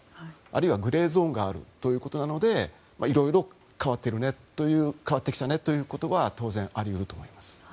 あるいはグレーゾーンがあるということなのでいろいろ変わってきたねということは当然あり得ると思います。